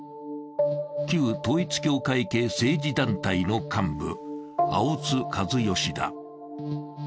旧統一教会系政治団体の幹部、青津和代氏だ。